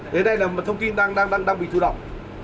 thế đây là một thông tin đang bị thu động